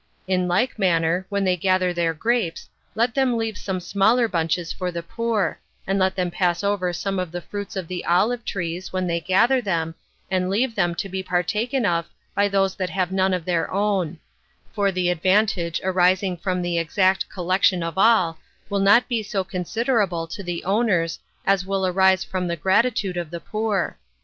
In like manner when they gather their grapes, let them leave some smaller bunches for the poor, and let them pass over some of the fruits of the olive trees, when they gather them, and leave them to be partaken of by those that have none of their own; for the advantage arising from the exact collection of all, will not be so considerable to the owners as will arise from the gratitude of the poor.